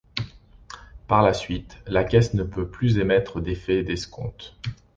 Par la suite, la Caisse ne peut plus émettre d'effets d'escompte.